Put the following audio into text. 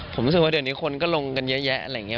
ผมรู้สึกว่าเดือนนี้คนก็ลงกันเยอะแยะไง